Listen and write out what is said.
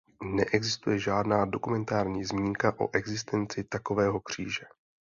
Neexistuje žádná dokumentární zmínka o existenci takového kříže.